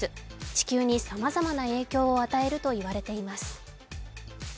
地球にさまざまな影響を与えるといわれています。